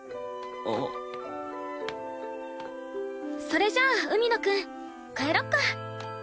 それじゃ海野くん帰ろっか。